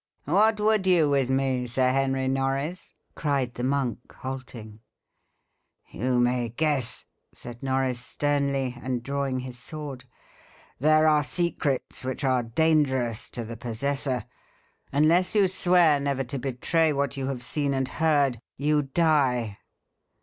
"What would you with me, Sir Henry Norris?" cried the monk, halting. "You may guess," said Norris, sternly and drawing his sword. "There are secrets which are dangerous to the possessor. Unless you swear never to betray what you have seen and heard, you die."